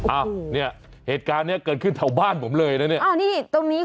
อ้าวเนี่ยเหตุการณ์เนี่ยเกิดขึ้นแถวบ้านผมเลยนะเนี่ย